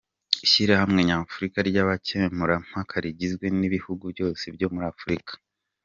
Ishyirahamwe Nyafurika ry’Abakemurampaka rigizwe n’ibihugu byose byo muri Afurika.